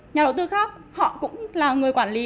nhà đầu tư khác họ cũng là người quản lý